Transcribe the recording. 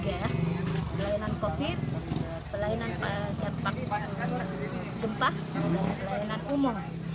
pelayanan covid pelayanan gempa dan pelayanan umum